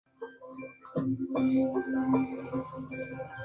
Este contacto con el cine fue propiciado por el director británico Lindsay Anderson.